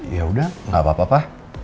ya udah gak apa apa